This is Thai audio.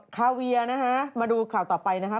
คาเวียนะฮะมาดูข่าวต่อไปนะคะ